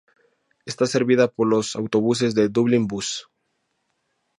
Está servida por los autobuses de Dublin Bus.